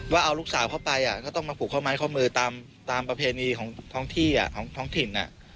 ว่าเอาลูกสาวเข้าไปก็ต้องมาผูกข้อไม้ข้อมือตามประเพณีของท้องที่ของท้องถิ่น